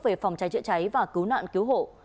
về phòng trái trị trái và cứu nạn cứu hộ